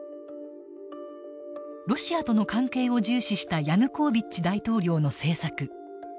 ロシアとの関係を重視したヤヌコービッチ大統領の政策。